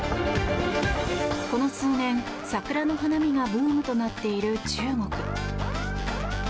この数年、桜の花見がブームとなっている中国。